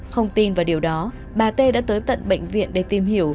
không tin vào điều đó bà tê đã tới tận bệnh viện để tìm hiểu